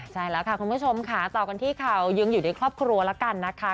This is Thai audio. ใช่แล้วค่ะคุณผู้ชมค่ะต่อกันที่ข่าวยังอยู่ในครอบครัวแล้วกันนะคะ